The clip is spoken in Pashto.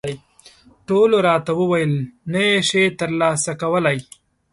ټولو راته وویل، نه یې شې ترلاسه کولای.